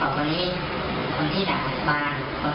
ก็จะมีความเกี่ยวกับให้เป็นการรีบของ